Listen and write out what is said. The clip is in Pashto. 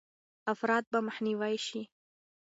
افراط به مخنیوی شي.